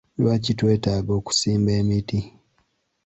Lwaki twetaaga okusimba emiti?